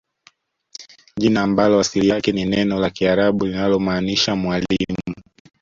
Jina ambalo asili yake ni neno la kiarabu linalomaanisha mwalimu